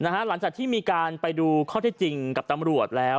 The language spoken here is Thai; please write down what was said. หลังจากที่มีการไปดูข้อเท็จจริงกับตำรวจแล้ว